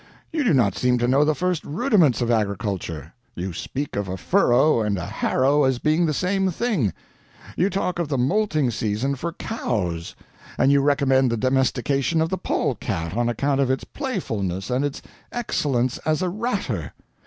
You do not seem to know the first rudiments of agriculture. You speak of a furrow and a harrow as being the same thing; you talk of the moulting season for cows; and you recommend the domestication of the pole cat on account of its playfulness and its excellence as a ratter!